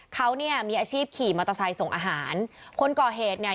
เขาเนี่ยมีอาชีพขี่มอเตอร์ไซค์ส่งอาหารคนก่อเหตุเนี่ย